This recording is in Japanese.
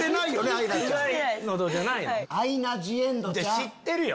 知ってるよ！